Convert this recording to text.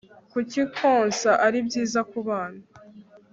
kuki konsa ari byiza ku bana